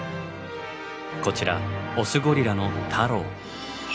こちらオスゴリラのタロウ。